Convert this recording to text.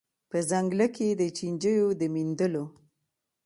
په ځنګله کي د چینجیو د میندلو